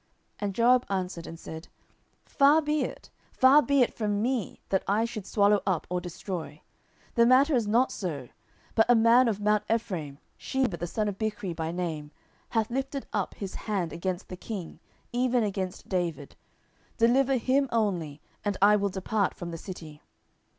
10:020:020 And Joab answered and said, Far be it, far be it from me, that I should swallow up or destroy. 10:020:021 The matter is not so: but a man of mount Ephraim, Sheba the son of Bichri by name, hath lifted up his hand against the king, even against David: deliver him only, and I will depart from the city.